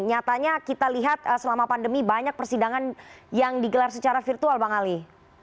nyatanya kita lihat selama pandemi banyak persidangan yang digelar secara virtual bang ali